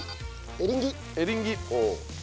エリンギ。